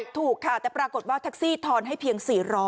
ถูกค่ะแต่ปรากฏว่าแท็กซี่ทอนให้เพียง๔๐๐